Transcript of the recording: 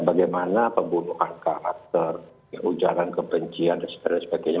bagaimana pembunuhan karakter ujaran kebencian dan sebagainya